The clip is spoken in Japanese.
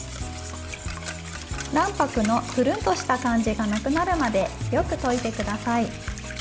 卵白のプルンとした感じがなくなるまでよく溶いてください。